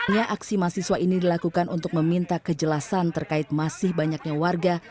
ya aksi mahasiswa ini dilakukan untuk meminta kejelasan terkait masih banyaknya warga